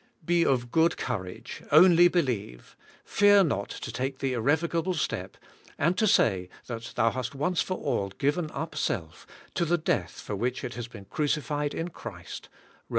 Be of good courage, only believe; fear not to take the irrevocable step, and to say that thou hast once for all given up self to the death for which it has been crucified in Christ {Ro?